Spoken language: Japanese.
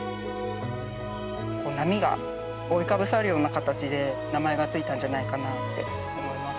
波が覆いかぶさるような形で名前が付いたんじゃないかなって思います。